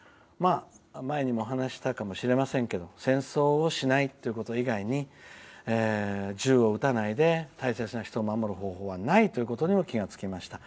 前にもお話ししたかもしれませんけど戦争をしないということ以外に銃を撃たないで大切な人を守る方法はないということにも気が付きました。